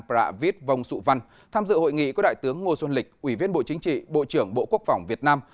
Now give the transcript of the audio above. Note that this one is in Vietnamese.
pravit vong su van tham dự hội nghị của đại tướng ngo xuân lịch ủy viên bộ chính trị bộ trưởng bộ quốc phòng việt nam